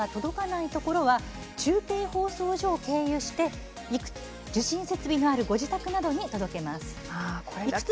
いくつもの中継放送所を経由して受信設備のあるご自宅などに届けます。